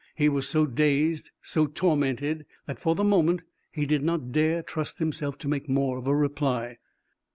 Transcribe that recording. He was so dazed, so tormented, that, for the moment, he did not dare trust himself to make more of a reply.